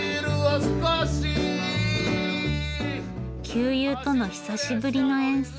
旧友との久しぶりの演奏。